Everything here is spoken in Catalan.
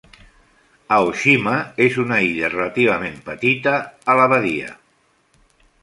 Aoshima és una illa relativament petita en la badia.